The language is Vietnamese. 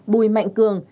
năm bùi mạnh cường